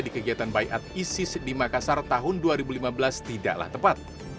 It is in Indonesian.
di kegiatan bayat isis di makassar tahun dua ribu lima belas tidaklah tepat